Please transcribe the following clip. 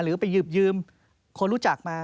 หรือไปยืบยืมคนรู้จักมา